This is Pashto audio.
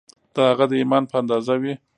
د هغه د ایمان په اندازه وي